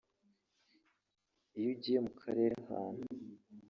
Iyo ugiye mu Karere ahantu